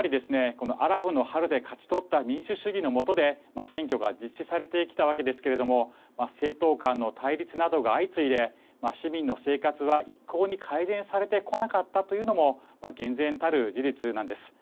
このアラブの春で勝ち取った民主主義のもとで選挙が実施されてきたわけですけれども政党間の対立などが相次いで市民の生活は一向に改善されてこなかったというのも厳然たる事実なんです。